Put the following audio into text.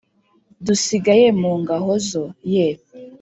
dusigaye mu ngahozo: ye